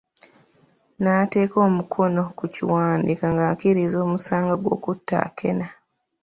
N'ateeka omukono ku kiwandiiko ng'akkiriza omusango gw'okutta Akena.